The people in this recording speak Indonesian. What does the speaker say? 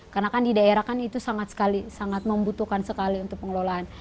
karena kan di daerah itu sangat sekali sangat membutuhkan sekali untuk pengelolaan